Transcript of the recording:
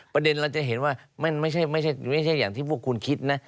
ประเด็นเราจะเห็นว่ามันไม่ใช่อย่างที่พวกคุณคิดนะ